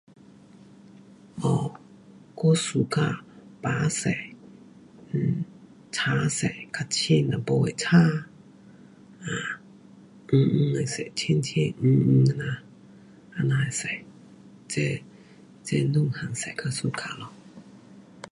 um 我 suka 白色 um 青色，较浅一点的青 um 黄黄的色，浅浅黄黄这样，这样的色，这，这两样色较 suka 咯。